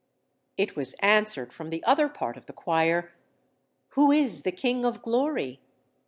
It was answered from the other part of the choir, _Who is the King of Glory?